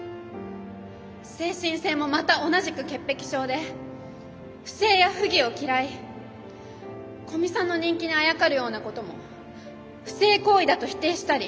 精神性もまた同じく潔癖症で不正や不義を嫌い古見さんの人気にあやかるようなことも不正行為だと否定したり。